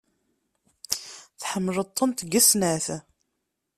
Tḥemmleḍ-tent deg snat.